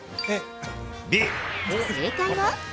正解は。